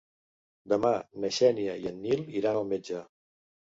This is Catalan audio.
Demà na Xènia i en Nil iran al metge.